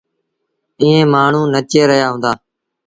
ائيٚݩ مآڻهوٚݩ نچي رهيآ هُݩدآ۔